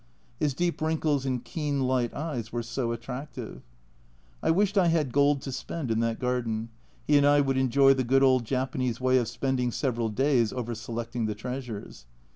His deep wrinkles and keen light eyes were so attractive. I wished I had gold to spend in that garden, he and I would enjoy the good old Japanese way of spending several days over selecting the treasures.